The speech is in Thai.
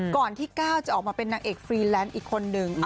ก่อนที่ก้าวจะออกมาเป็นนางเอกฟรีแลนซ์อีกคนนึง